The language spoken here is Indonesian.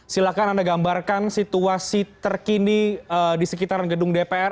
silahkan anda gambarkan situasi terkini di sekitaran gedung dpr